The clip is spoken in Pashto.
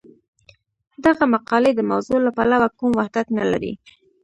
دغه مقالې د موضوع له پلوه کوم وحدت نه لري.